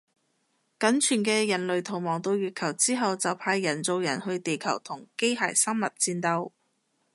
僅存嘅人類逃亡到月球之後就派人造人去地球同機械生物戰鬥